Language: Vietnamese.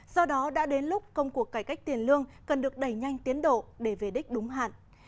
do đó đã đến lúc công cuộc cải cách tiền lương cần được đẩy nhanh tiến độ để về đích đúng hạn